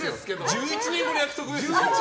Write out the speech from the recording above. １１年後の約束ですよ。